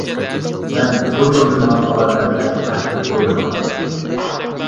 مەن بۇ يولدا مېڭىپ قالارمەن دەپ قەتئىي ئويلىمىغان ئىدىم.